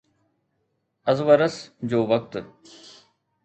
Azores جو وقت